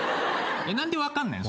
何で分かんないの？